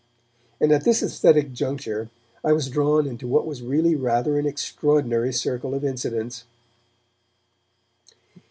And at this aesthetic juncture I was drawn into what was really rather an extraordinary circle of incidents.